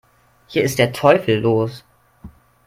Hier ist der Teufel los